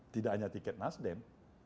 tidak hanya tiket nasdem